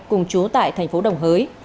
cùng chú tại thành phố đồng hới